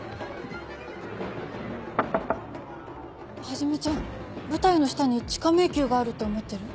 はじめちゃん舞台の下に地下迷宮があるって思ってる？